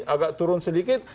agak turun sedikit